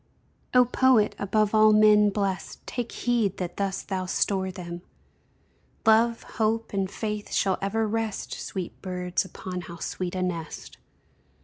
O Poet! above all men blest, Take heed that thus thou store them; Love, Hope, and Faith shall ever rest, Sweet birds (upon how sweet a nest!)